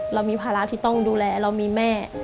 เรามีภาระที่ต้องดูแลเรามีแม่